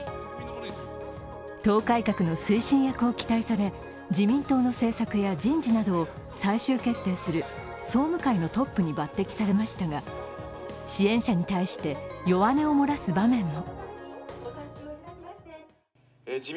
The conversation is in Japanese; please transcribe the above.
党改革の推進役を期待され自民党の政策や人事などを最終決定する総務会のトップに抜てきされましたが支援者に対して、弱音をもらす場面も。